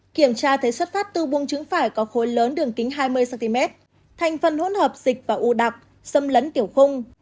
kiểm tra thấy xuất phát từ buông trứng phải có khối lớn đường kính hai mươi cm thành phần hỗn hợp dịch và u đặc xâm lấn tiểu khung